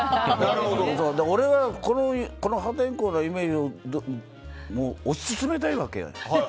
俺はこの破天荒なイメージを推し進めたいわけよ。